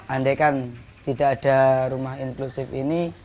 andaikan tidak ada rumah inklusif ini